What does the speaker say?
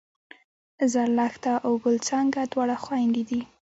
زرلښته او ګل څانګه دواړه خوېندې دي